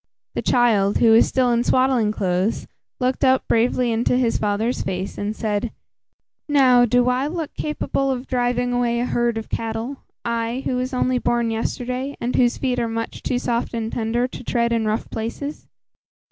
The child, who was still in swaddling clothes, looked up bravely into his father's face and said, "Now, do I look capable of driving away a herd of cattle; I, who was only born yesterday, and whose feet are much too soft and tender to tread in rough places?